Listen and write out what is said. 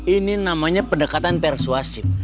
ini namanya pendekatan persuasif